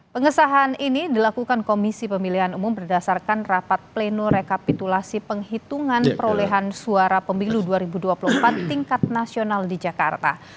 pengesahan ini dilakukan komisi pemilihan umum berdasarkan rapat pleno rekapitulasi penghitungan perolehan suara pemilu dua ribu dua puluh empat tingkat nasional di jakarta